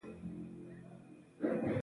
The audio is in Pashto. ګلاب د زهرو له غمه ساتي.